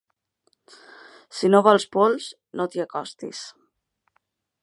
Si no vols pols, ni t'hi acostis.